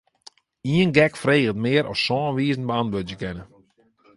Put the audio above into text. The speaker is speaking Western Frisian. Ien gek freget mear as sân wizen beäntwurdzje kinne.